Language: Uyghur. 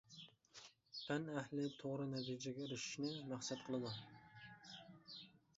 پەن ئەھلى توغرا نەتىجىگە ئېرىشىشنى مەقسەت قىلىدۇ.